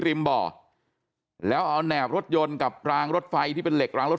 ริมบ่อแล้วเอาแหนบรถยนต์กับรางรถไฟที่เป็นเหล็กรางรถ